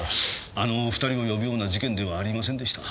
あのお２人を呼ぶような事件ではありませんでした。